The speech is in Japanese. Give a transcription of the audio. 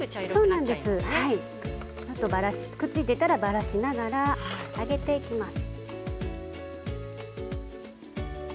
くっついていたらばらしながら揚げていきます。